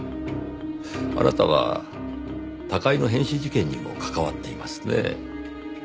あなたは高井の変死事件にも関わっていますねぇ。